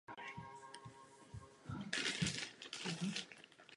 Cena za nečinnost by byla prostě příliš vysoká.